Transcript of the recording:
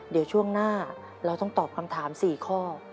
เดี๋ยวช่วงหน้าเราต้องตอบคำถาม๔ข้อ